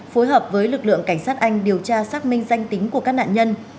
phối hợp với lực lượng cảnh sát anh điều tra xác minh danh tính của các nạn nhân